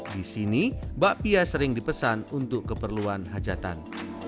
di sini bakpia sering dipesan untuk keperluan hajatan